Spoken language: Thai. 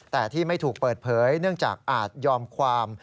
แต่ที่ไม่ถูกเปิดเผยเนื่องจากอาจยอมความ